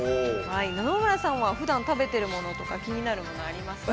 野々村さんはふだん食べてるものとか、気になるものありますか？